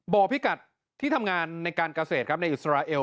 พิกัดที่ทำงานในการเกษตรครับในอิสราเอล